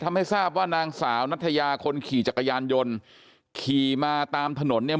ทำให้ทราบว่านางสาวนัทยาคนขี่จักรยานยนต์ขี่มาตามถนนเนี่ย